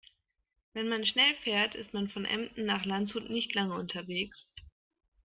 Wenn man schnell fährt, ist man von Emden nach Landshut nicht lange unterwegs